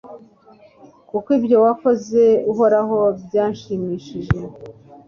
Kuko ibyo wakoze Uhoraho byanshimishije